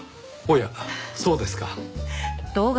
おやそうですか。